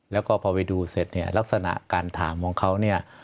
แล้วก็พอไปดูเสร็จเนี่ยลักษณะการถามของเขาเนี่ย